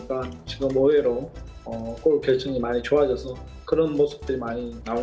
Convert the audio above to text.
kita bisa melakukan banyak hal seperti itu